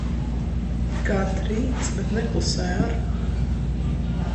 It kā trīc, bet neklusē ar.